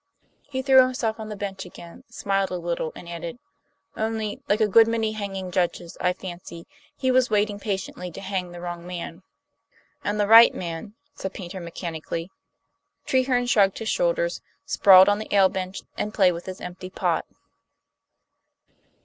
He threw himself on the bench again, smiled a little, and added: "Only, like a good many hanging judges, I fancy, he was waiting patiently to hang the wrong man." "And the right man " said Paynter mechanically. Treherne shrugged his shoulders, sprawling on the ale bench, and played with his empty pot.